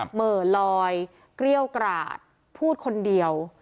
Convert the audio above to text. เหม่อลอยเกรี้ยวกราดพูดคนเดียว